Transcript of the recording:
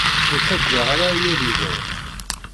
Ur ttaǧǧaɣ ara aya ad yeḍṛu.